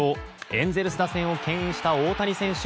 エンゼルス打線を牽引した大谷選手。